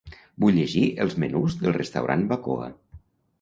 Vull llegir els menús del restaurant Bacoa.